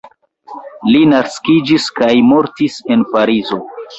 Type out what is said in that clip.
Li naskiĝis kaj mortis en Parizo.